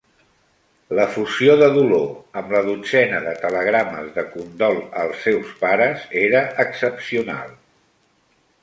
L'efusió de dolor, amb la dotzena de telegrames de condol als seus pares, era excepcional.